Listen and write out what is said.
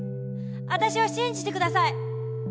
わたしを信じてください。